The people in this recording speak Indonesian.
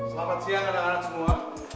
selamat siang anak anak semua